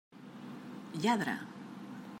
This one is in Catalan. Lladre!